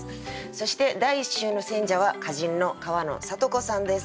そして第１週の選者は歌人の川野里子さんです。